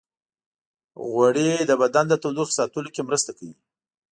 غوړې د بدن د تودوخې ساتلو کې مرسته کوي.